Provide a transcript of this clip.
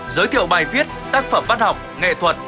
giới thiệu bài viết tác phẩm văn học nghệ thuật